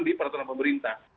jadi para penerima pemerintah